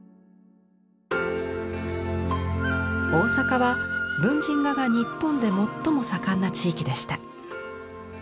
大阪は文人画が日本で最も盛んな地域でした。